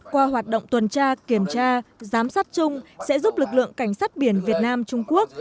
qua hoạt động tuần tra kiểm tra giám sát chung sẽ giúp lực lượng cảnh sát biển việt nam trung quốc